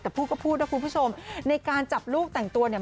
แต่พูดก็พูดนะคุณผู้ชมในการจับลูกแต่งตัวเนี่ย